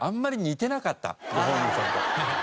ご本人さんと。